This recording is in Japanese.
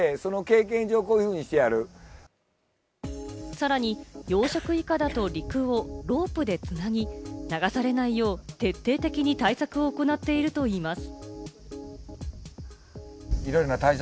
さらに養殖いかだと陸をロープで繋ぎ、流されないよう、徹底的に対策を行っているといいます。